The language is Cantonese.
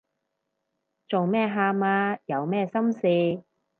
做咩喊啊？有咩心事